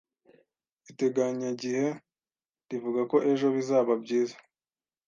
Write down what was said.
Iteganyagihe rivuga ko ejo bizaba byiza